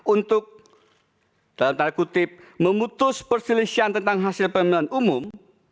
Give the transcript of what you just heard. untuk dalam tanda kutip memutus perselisihan tentang hasil pemilihan umum